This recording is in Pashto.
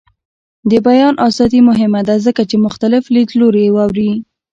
د بیان ازادي مهمه ده ځکه چې مختلف لیدلوري اوري.